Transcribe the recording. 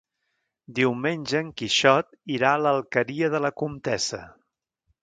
Diumenge en Quixot irà a l'Alqueria de la Comtessa.